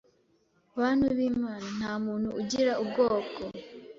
Bantu b’Imana ntamuntu ugira ubwoko,